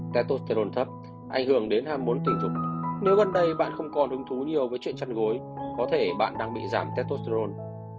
tetosterone thất ảnh hưởng đến ham muốn tình dục nếu gần đây bạn không còn hứng thú nhiều với chuyện chăn gối có thể bạn đang bị giảm tetosterone